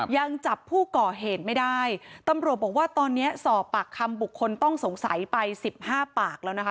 ยังจับผู้ก่อเหตุไม่ได้ตำรวจบอกว่าตอนนี้สอบปากคำบุคคลต้องสงสัยไปสิบห้าปากแล้วนะคะ